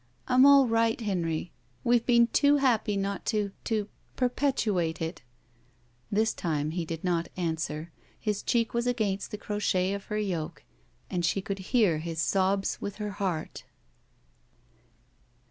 "I'm all right, Henry — ^we've been too happy not to — ^to — ^perpetuate — ^it .'' This time he did not answer. His cheek was against the crochet of her yoke and she cotdd hear his sobs with her heart.